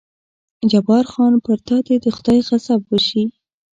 جبار خان: پر تا دې د خدای غضب وشي.